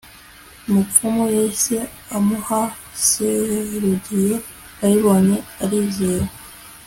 mupfumu yahise ahuma Serugiyo abibonye arizera